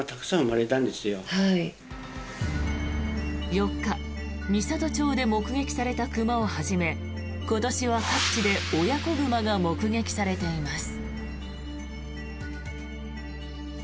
４日、美郷町で目撃された熊をはじめ今年は各地で親子熊が目撃されています。